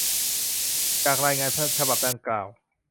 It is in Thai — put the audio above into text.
จากรายงานฉบับดังกล่าว